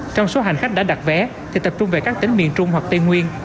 trong số hành khách đã đặt vé thì tập trung về các tỉnh miền trung hoặc tây nguyên